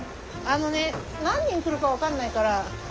あのね何人来るか分かんないから。